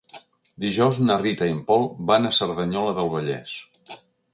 Dijous na Rita i en Pol van a Cerdanyola del Vallès.